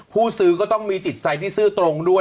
ผู้ซื้อก็ต้องมีจิตใจที่ซื่อตรงด้วย